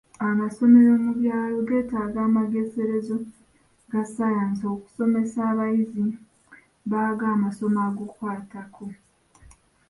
Amasomero mu byalo geetaaga amageserezo ga sayansi okusomesa abayizi baago amasomo ag'okwatako.